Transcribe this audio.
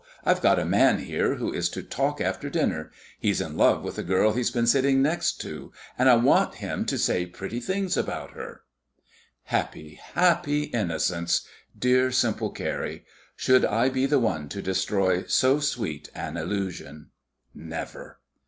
I've got a man here, who is to talk after dinner. He's in love with a girl he's been sitting next, and I want him to say pretty things about her." Happy, happy innocence! dear simple Carrie! Should I be the one to destroy so sweet an illusion? Never!